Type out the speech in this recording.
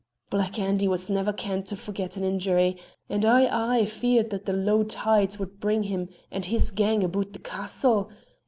"Black Andy was never kent to forget an injury, and I aye feared that the low tides would bring him and his gang aboot the castle.